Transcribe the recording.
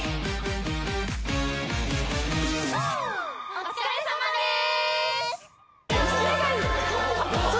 お疲れさまでーす！